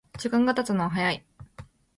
時間がたつのは早い